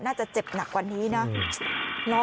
น่าจะเจ็บหนักกว่านี้นะ